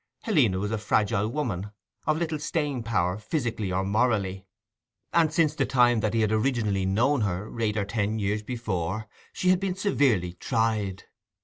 Helena was a fragile woman, of little staying power, physically or morally, and since the time that he had originally known her—eight or ten years before—she had been severely tried.